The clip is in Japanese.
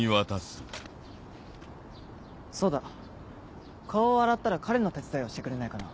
そうだ顔を洗ったら彼の手伝いをしてくれないかな？